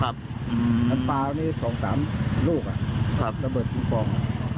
อันปลาอันนี้สองสามลูกระเบิดที่ฟอง